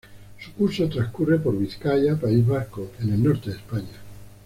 Su curso transcurre por Vizcaya, País Vasco, en el norte de España.